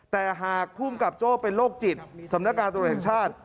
แต่หากภูมิกับโจ้เป็นโรคจิตสำนักการตรวจแห่งชาติ